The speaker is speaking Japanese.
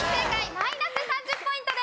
マイナス３０ポイントです。